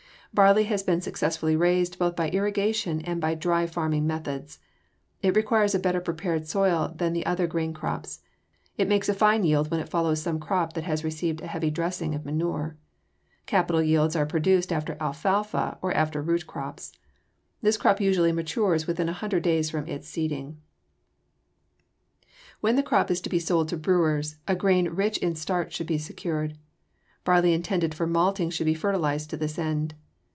Barley has been successfully raised both by irrigation and by dry farming methods. It requires a better prepared soil than the other grain crops; it makes fine yields when it follows some crop that has received a heavy dressing of manure. Capital yields are produced after alfalfa or after root crops. This crop usually matures within a hundred days from its seeding. [Illustration: FIG. 209. BARLEY] When the crop is to be sold to the brewers, a grain rich in starch should be secured. Barley intended for malting should be fertilized to this end.